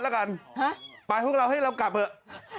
ป้ามารสีบอกเออเอาชื่อบุญรอดนะ